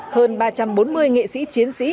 hơn ba trăm bốn mươi nghệ sĩ chiến sĩ